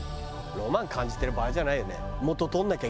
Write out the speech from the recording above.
ロマン感じてる場合じゃない。